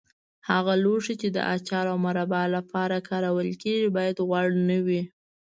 هغه لوښي چې د اچار او مربا لپاره کارول کېږي باید غوړ نه وي.